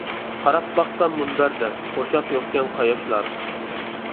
قاراپ باقسام مۇنبەردە، قوشاق يوقكەن قاياشلار.